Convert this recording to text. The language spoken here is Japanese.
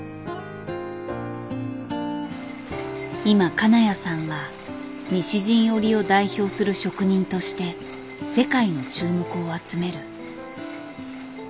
今金谷さんは西陣織を代表する職人として世界の注目を集める。